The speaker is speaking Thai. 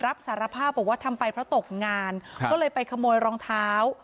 รับสารภาพบอกว่าทำไปเพราะตกงานก็เลยไปขโมยรองเท้า